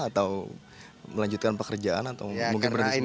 atau melanjutkan pekerjaan atau mungkin berdiskusi